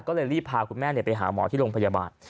ก็เลยรีบพาคุณแม่ไปหาหมอที่โรงพยาบาล